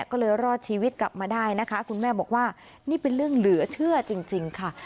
ก็เลยรอดชีวิตกลับมาได้นะคะคุณแม่บอกว่านี่เป็นเรื่องเหลือเชื่อจริงค่ะ